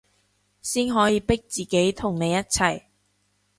先可以逼自己同你一齊